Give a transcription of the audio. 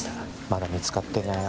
まだ見つかっていない